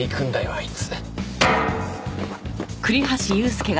あいつ。